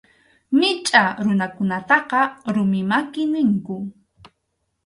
Michʼa runakunataqa rumi maki ninku.